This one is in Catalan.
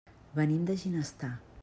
Venim de Ginestar.